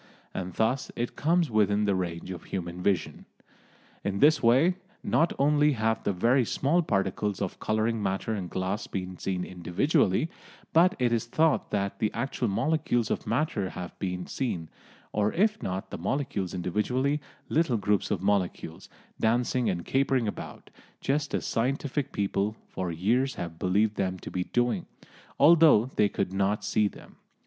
And thus it comes within the range of human vision. In this way, not only have the very small particles of colouring matter in glass been seen individually, but it is thought that the actual molecules of matter have been seen, or if not the molecules individually, little groups of molecules, dancing and capering about, just as scientific people for years have believed them to be doing, although they could not see them.